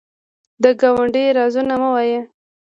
د ګاونډي رازونه مه وایه